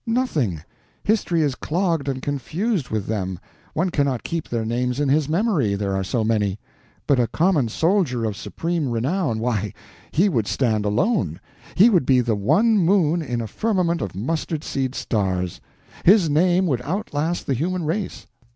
Nothing—history is clogged and confused with them; one cannot keep their names in his memory, there are so many. But a common soldier of supreme renown—why, he would stand alone! He would the be one moon in a firmament of mustard seed stars; his name would outlast the human race!